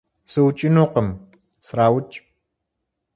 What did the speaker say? - СыӀукӀынукъым, сраукӀ!